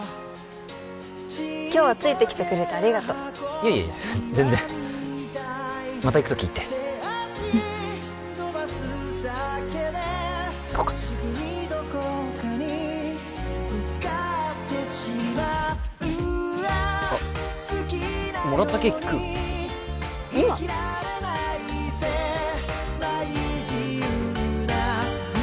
今日はついてきてくれてありがとういやいや全然また行くとき言ってうん行こっかあっもらったケーキ食う？